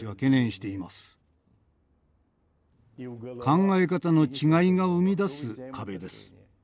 考え方の違いが生み出す壁です。